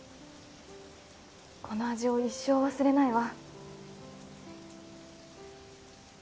この味を一生忘れないわ。